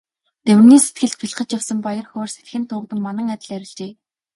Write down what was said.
Дамираны сэтгэлд бялхаж явсан баяр хөөр салхинд туугдсан манан адил арилжээ.